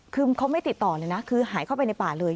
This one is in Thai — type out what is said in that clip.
คือเขาไม่ติดต่อเลยนะคือหายเข้าไปในป่าเลย